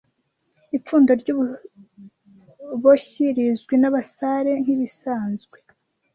Ipfundo ryububoshyi rizwi nabasare nkibisanzwe